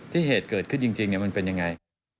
เหตุเกิดขึ้นจริงมันเป็นยังไง